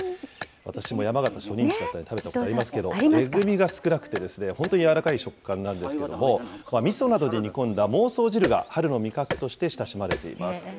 私も山形、初任地だったんで、食べたことありますけど、えぐみが少なくて、本当に柔らかい食感なんですけれども、みそなどで煮込んだ孟宗汁が春の味覚として親しまれています。